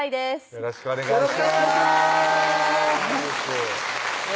よろしくお願いします